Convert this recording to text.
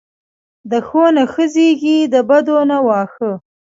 دښو نه ښه زیږیږي، د بدونه واښه.